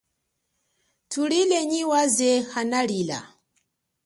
Thulile nyi waze analila.